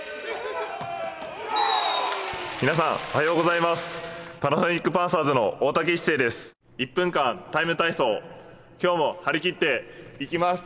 皆さん、おはようございますパナソニックパンサーズの大竹壱青です。